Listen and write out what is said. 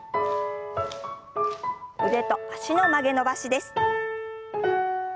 腕と脚の曲げ伸ばしです。